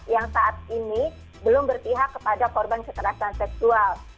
yang saat ini belum berpihak kepada korban kekerasan seksual